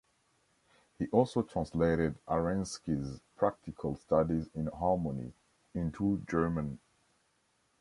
He also translated Arensky's 'Practical Studies in Harmony' into German.